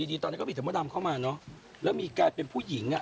อยู่ดีตอนนี้ก็ไปถึงโมดำเข้ามาเนอะแล้วมีกลายเป็นผู้หญิงอ่ะ